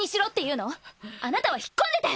あなたは引っ込んでて。